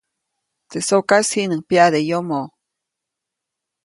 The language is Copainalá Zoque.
Teʼ sokaʼis jiʼnuŋ pyaʼde yomoʼ.